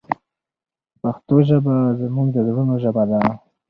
پښتو ژبه زموږ د زړونو ژبه ده.